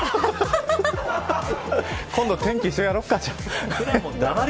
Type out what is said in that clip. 今度、天気一緒にやろうか。